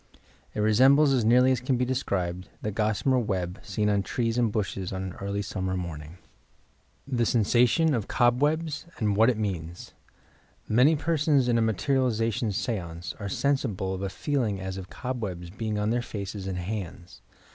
It resembles as nearly as can be described the gossamer web, seen on trees and bushes on an early summer morning." THE SENSATION OP '' COBWEBS, '' ANn WHAT IT UEAK8 "Many persona in a materialization seance are sensi ble o£ a feeling as of cobwebs being on their faces and hands.